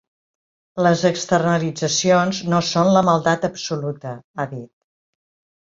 Les externalitzacions no són la maldat absoluta, ha dit.